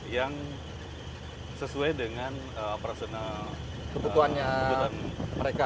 yang sesuai dengan personal kebutuhan mereka